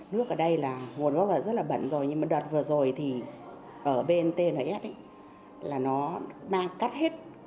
nước ở đây là một lúc là rất là bẩn rồi nhưng mà đợt vừa rồi thì ở bên tnf ấy là nó mang cắt hết